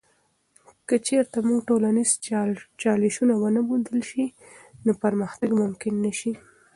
که چیرته موږ ټولنیز چالشونه ونه موندل سي، نو پرمختګ ممکن نه سي.